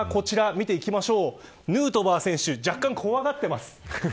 見ていきましょうヌートバー選手若干怖がっています。